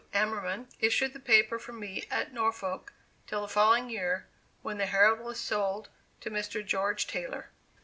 Amerman, issued the paper for me at Norwalk till the following year, when the Herald was sold to Mr. George Taylor.